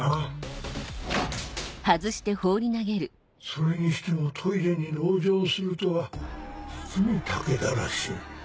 それにしてもトイレに籠城するとは実に武田らしい。